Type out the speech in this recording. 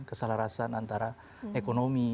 keselarasan antara ekonomi